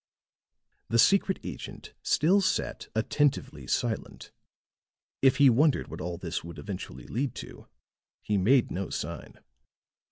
The secret agent still sat attentively silent; if he wondered what all this would eventually lead to, he made no sign.